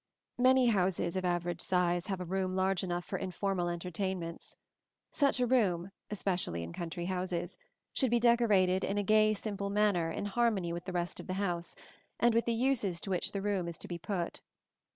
Many houses of average size have a room large enough for informal entertainments. Such a room, especially in country houses, should be decorated in a gay simple manner in harmony with the rest of the house and with the uses to which the room is to be put.